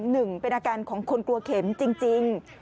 หนึ่งเป็นอาการของคนกลัวเข็มจริง